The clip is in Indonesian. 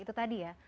itu tadi ya